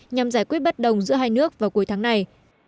nhằm giải quyết bất đồng giữa hai nước vào cuối tháng này